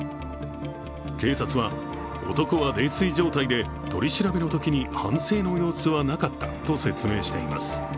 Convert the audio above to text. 警察は、男は泥酔状態で、取り調べのときに反省の様子はなかったと説明しています。